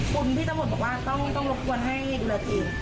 คุณพี่สมบัติบอกว่าต้องถวงทวนให้ดูแลตลอด